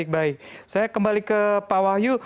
baik saya kembali ke pak wahyu